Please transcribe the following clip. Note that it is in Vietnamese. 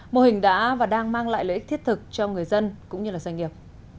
mô hình đã và đang mang lại lợi ích thiết thực cho người dân cũng như doanh nghiệp